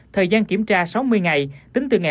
thời gian kiểm tra sáu mươi ngày